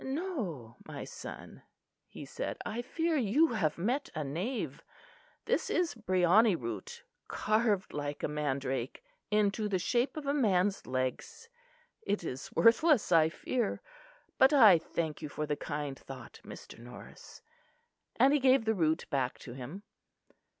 "No, my son," he said, "I fear you have met a knave. This is briony root carved like a mandrake into the shape of a man's legs. It is worthless, I fear; but I thank you for the kind thought, Mr. Norris," and he gave the root back to him.